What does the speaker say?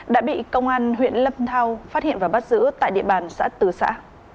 đã bị công an huyện lâm thao phát hiện và bắt giữ tại địa bàn xã tứ xã